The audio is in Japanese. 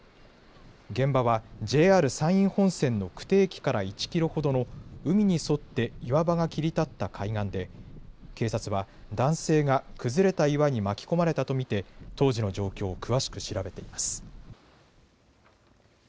現場はＪＲ山陰本線の久手駅から１キロほどの海に沿って岩場が切り立った海岸で警察は男性が崩れた岩に巻き込まれたと見て当時の状況を詳しく調べています。